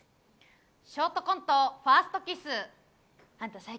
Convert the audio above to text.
ショートコント、ファーストキス。